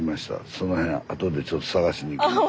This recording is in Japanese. その辺後でちょっと探しに行きます。